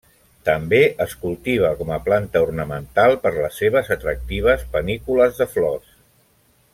També es cultiva com a planta ornamental per les seves atractives panícules de flors.